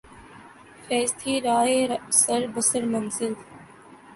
فیضؔ تھی راہ سر بسر منزل